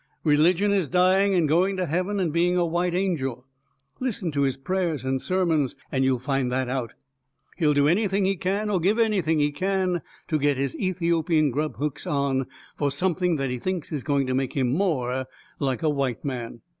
Religion is dying and going to heaven and being a WHITE angel listen to his prayers and sermons and you'll find that out. He'll do anything he can, or give anything he can get his Ethiopian grubhooks on, for something that he thinks is going to make him more like a white man.